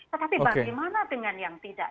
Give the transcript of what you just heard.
tetapi bagaimana dengan yang tidak